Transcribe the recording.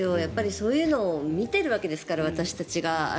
そういうのを見てるわけですから私たちは。